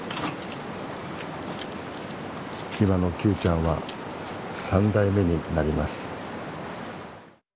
今のキュウちゃんは３代目になります。